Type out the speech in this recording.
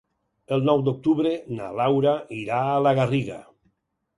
El nou d'octubre na Laura irà a la Garriga.